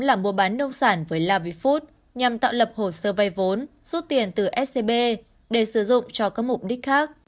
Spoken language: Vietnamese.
làm mua bán nông sản với lavifood nhằm tạo lập hồ sơ vay vốn rút tiền từ scb để sử dụng cho các mục đích khác